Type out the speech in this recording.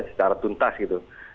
secara tuntas gitu